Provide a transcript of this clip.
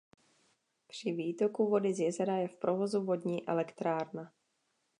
Při výtoku vody z jezera je v provozu vodní elektrárna.